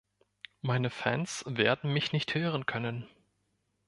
Meine Fans werden mich nicht hören können.